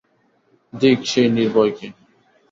ধিক সেই নির্ভয়কে।